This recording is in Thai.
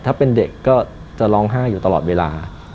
ถ้าเป็นเด็กก็จะร้องไห้อยู่ตลอดเวลา